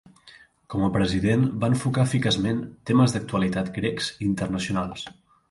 Com a president va enfocar eficaçment temes d'actualitat grecs i internacionals.